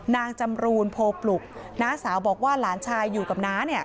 นางจำรูนโพปลุกน้าสาวบอกว่าหลานชายอยู่กับน้าเนี่ย